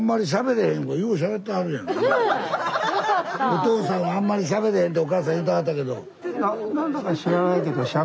おとうさんはあんまりしゃべれへんっておかあさん言うてはったけど。